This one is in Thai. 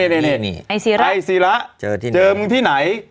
อันก่อนนี้ไอ้สีระเจอที่ไหน